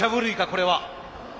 これは。